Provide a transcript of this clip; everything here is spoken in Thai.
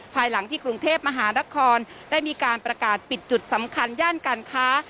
ภายหลังที่กรุงเทพมหานครได้มีการประกาศปิดจุดสำคัญย่านการค้า